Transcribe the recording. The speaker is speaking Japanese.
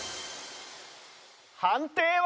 判定は。